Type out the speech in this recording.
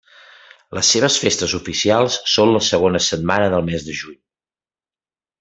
Les seves festes oficials són la segona setmana del mes de Juny.